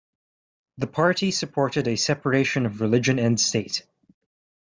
The party supported a separation of religion and state.